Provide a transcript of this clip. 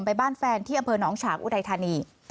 ไปบ้านแฟนที่อำเภอหนองฉางอุดัยธานี